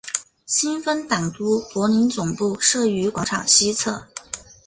新芬党都柏林总部设于广场西侧。